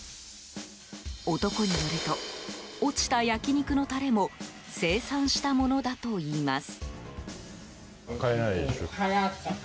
男によると落ちた焼き肉のタレも精算したものだといいます。